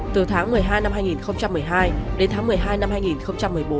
từ tháng một mươi hai năm hai nghìn một mươi hai đến tháng một mươi hai năm hai nghìn một mươi bốn